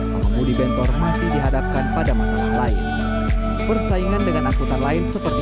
pengemudi bentor masih dihadapkan pada masalah lain persaingan dengan angkutan lain seperti